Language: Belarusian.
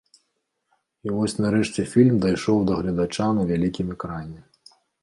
І вось нарэшце фільм дайшоў да гледача на вялікім экране.